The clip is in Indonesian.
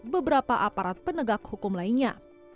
beberapa aparat penegak hukum lainnya